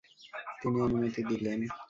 তিনি অনুমতি দিলেন।